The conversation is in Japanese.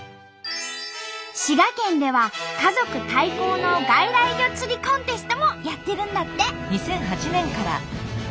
滋賀県では家族対抗の外来魚釣りコンテストもやってるんだって。